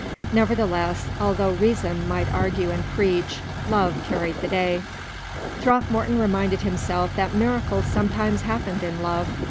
Nevertheless, although Reason might argue and preach, Love carried the day. Throckmorton reminded himself that miracles sometimes happened in love.